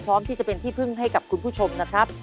พร้อมที่จะเป็นที่พึ่งให้กับคุณผู้ชมนะครับ